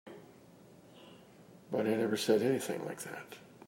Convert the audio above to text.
But I never said anything like that.